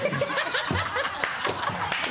ハハハ